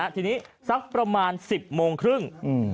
ทีนี้สักประมาณ๑๐โมงครึ่ง